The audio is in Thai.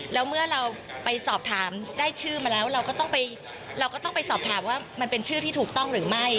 แล้วเมื่อเราไปสอบถามได้ชื่อมาแล้วเราก็ต้องไปเราก็ต้องไปสอบถามว่ามันเป็นชื่อที่ถูกต้องหรือไม่